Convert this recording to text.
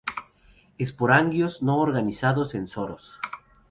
Esporangios no organizados en soros.